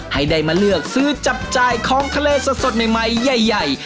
ให้ได้มาเลือกซื้อจับจ่ายของทะเลสดใหม่ใหญ่